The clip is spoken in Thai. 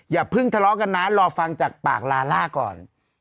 อย่าเพิ่งทะเลาะกันนะรอฟังจากปากลาล่าก่อน